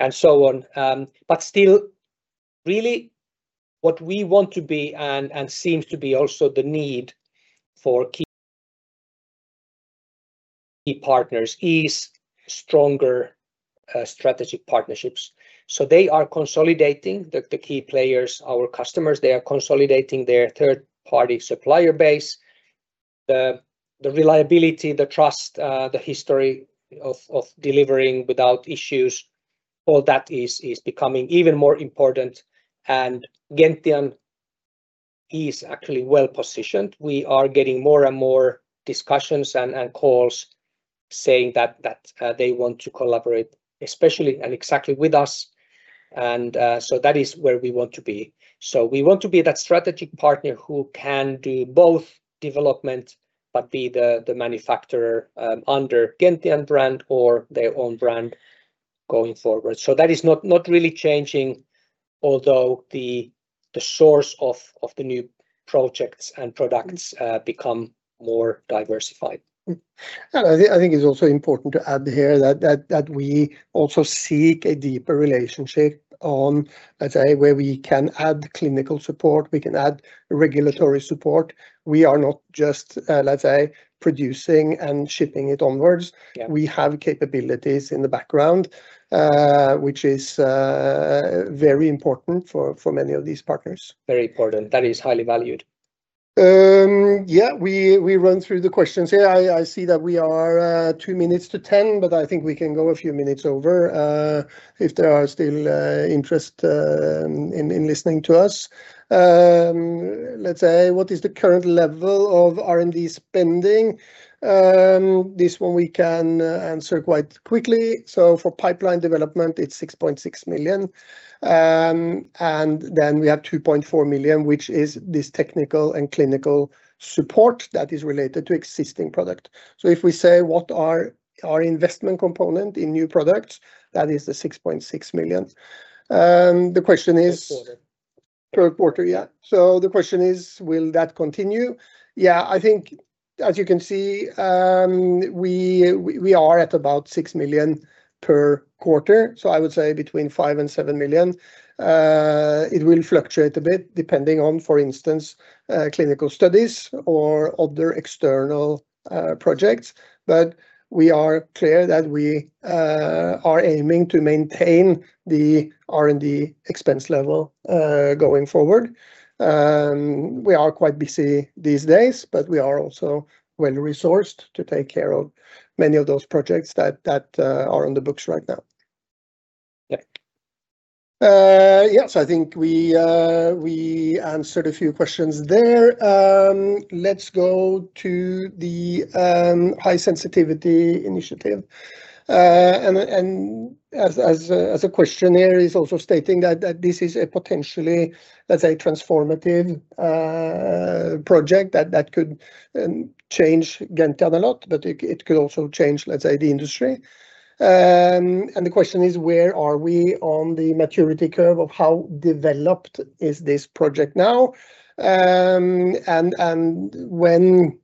Speaker 1: and so on. Still, really, what we want to be, and seems to be also the need for key partners, is stronger strategic partnerships. They are consolidating, the key players, our customers, they are consolidating their third-party supplier base. The reliability, the trust, the history of delivering without issues, all that is becoming even more important. Gentian is actually well-positioned. We are getting more and more discussions and calls saying that they want to collaborate especially and exactly with us. That is where we want to be. We want to be that strategic partner who can do both development but be the manufacturer under Gentian brand or their own brand going forward. That is not really changing, although the source of the new projects and products become more diversified.
Speaker 2: I think it's also important to add here that we also seek a deeper relationship on, let's say, where we can add clinical support, we can add regulatory support. We are not just, let's say, producing and shipping it onwards.
Speaker 1: Yeah.
Speaker 2: We have capabilities in the background, which is very important for many of these partners.
Speaker 1: Very important. That is highly valued.
Speaker 2: Yeah, we run through the questions here. I see that we are two minutes to 10:00, but I think we can go a few minutes over if there are still interest in listening to us. What is the current level of R&D spending? This one we can answer quite quickly. For pipeline development, it's 6.6 million. We have 2.4 million, which is this technical and clinical support that is related to existing product. If we say what are our investment component in new products, that is the 6.6 million. The question is-
Speaker 1: Per quarter.
Speaker 2: ...per quarter yeah. The question is, will that continue? I think as you can see, we are at about 6 million per quarter, I would say between 5 million and 7 million. It will fluctuate a bit depending on, for instance, clinical studies or other external projects. We are clear that we are aiming to maintain the R&D expense level going forward. We are quite busy these days, we are also well-resourced to take care of many of those projects that are on the books right now.
Speaker 1: Yeah.
Speaker 2: I think we answered a few questions there. Let's go to the high sensitivity initiative. As a questionnaire is also stating that this is a potentially, let's say, transformative project that could change Gentian a lot, it could also change, let's say, the industry. The question is, where are we on the maturity curve of how developed is this project now? When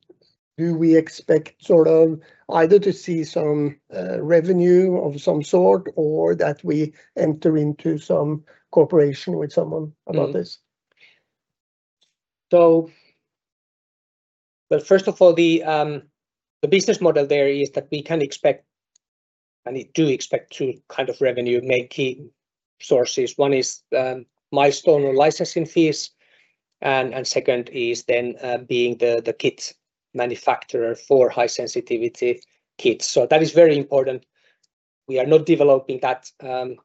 Speaker 2: do we expect sort of either to see some revenue of some sort or that we enter into some cooperation with someone about this?
Speaker 1: First of all, the business model there is that we can expect, and we do expect two kind of revenue main key sources. One is milestone or licensing fees, and second is then being the kit manufacturer for high sensitivity kits. That is very important. We are not developing that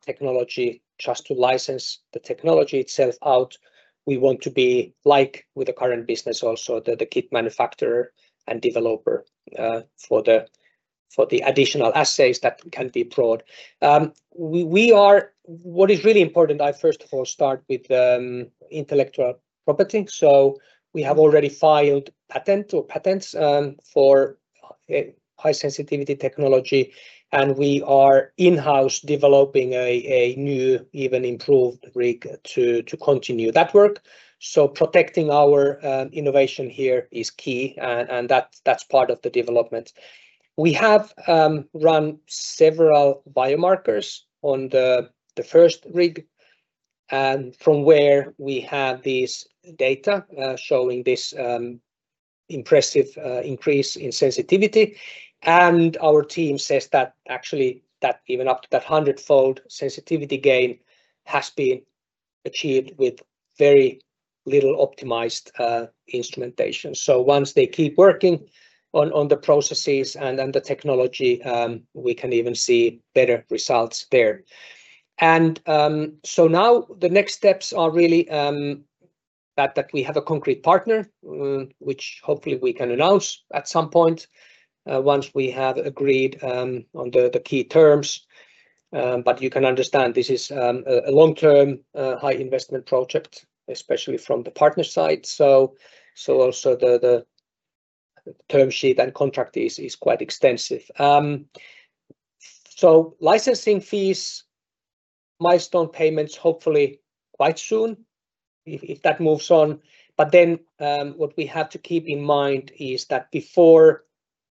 Speaker 1: technology just to license the technology itself out. We want to be, like with the current business also, the kit manufacturer and developer for the additional assays that can be brought. What is really important, I first of all start with intellectual property. We have already filed patent or patents for high sensitivity technology, and we are in-house developing a new even improved rig to continue that work. Protecting our innovation here is key, and that's part of the development. We have run several biomarkers on the first rig, and from where we have these data showing this impressive increase in sensitivity. Our team says that actually even up to that 100-fold sensitivity gain has been achieved with very little optimized instrumentation. Once they keep working on the processes and the technology, we can even see better results there. Now the next steps are really that we have a concrete partner, which hopefully we can announce at some point once we have agreed on the key terms. You can understand this is a long-term, high investment project, especially from the partner side. Also the term sheet and contract is quite extensive. Licensing fees, milestone payments hopefully quite soon if that moves on. What we have to keep in mind is that before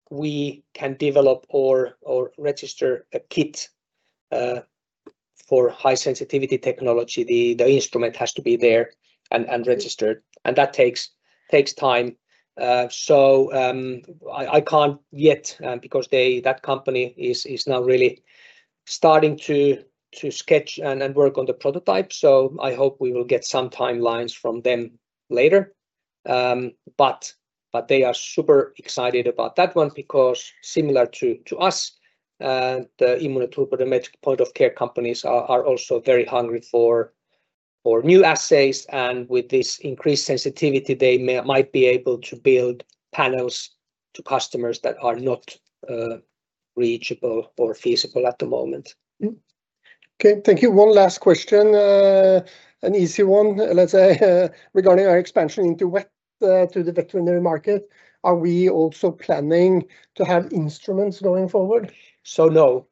Speaker 1: we can develop or register a kit for high sensitivity technology, the instrument has to be there and registered. That takes time. I can't yet because that company is now really starting to sketch and work on the prototype. I hope we will get some timelines from them later. They are super excited about that one because similar to us, the immunoturbidimetric point-of-care companies are also very hungry for new assays. With this increased sensitivity, they might be able to build panels to customers that are not reachable or feasible at the moment.
Speaker 2: Okay. Thank you. One last question, an easy one, let's say, regarding our expansion into vet to the veterinary market. Are we also planning to have instruments going forward?
Speaker 1: No.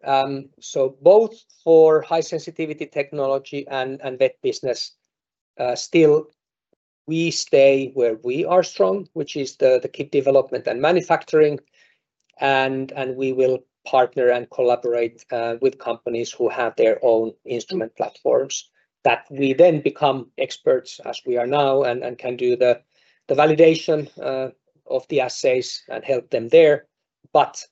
Speaker 1: Both for high sensitivity technology and vet business, still we stay where we are strong, which is the kit development and manufacturing. We will partner and collaborate with companies who have their own instrument platforms that we then become experts as we are now and can do the validation of the assays and help them there.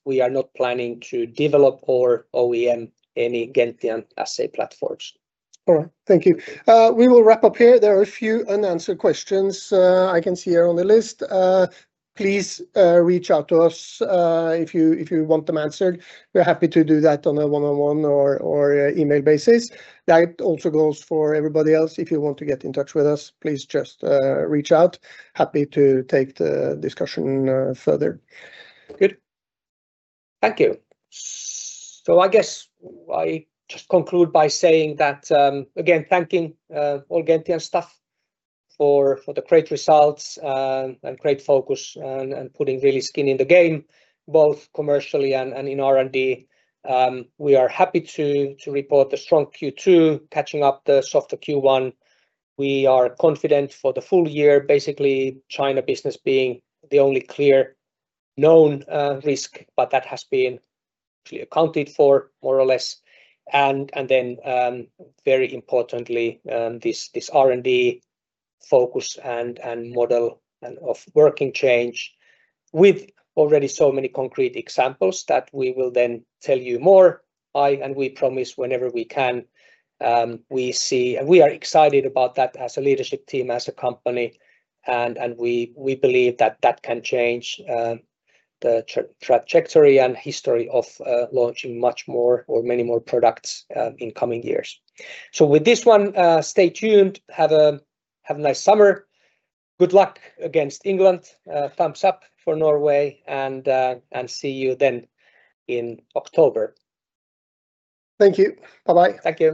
Speaker 1: We are not planning to develop or OEM any Gentian assay platforms.
Speaker 2: All right. Thank you. We will wrap up here. There are a few unanswered questions I can see here on the list. Please reach out to us if you want them answered. We're happy to do that on a one-on-one or email basis. That also goes for everybody else. If you want to get in touch with us, please just reach out. Happy to take the discussion further.
Speaker 1: Good. Thank you. I guess I just conclude by saying that, again, thanking all Gentian staff for the great results and great focus and putting really skin in the game, both commercially and in R&D. We are happy to report a strong Q2 catching up the softer Q1. We are confident for the full year, basically China business being the only clear, known risk, but that has been accounted for more or less. Then very importantly, this R&D focus and model and of working change with already so many concrete examples that we will then tell you more. I and we promise whenever we can. We are excited about that as a leadership team, as a company, and we believe that that can change the trajectory and history of launching much more or many more products in coming years. With this one, stay tuned, have a nice summer. Good luck against England. Thumbs up for Norway, see you then in October.
Speaker 2: Thank you. Bye-bye.
Speaker 1: Thank you.